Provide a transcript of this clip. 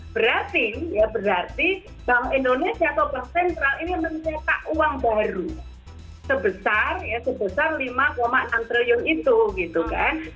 berarti bank indonesia atau bank sentral ini mencetak uang baru sebesar rp lima enam triliun itu gitu kan